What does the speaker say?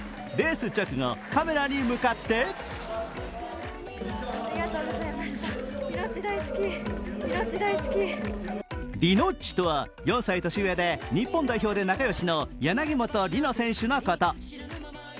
レース直後、カメラに向かってりのっちとは、４歳年上で日本代表で仲良しの柳本理乃選手のこと。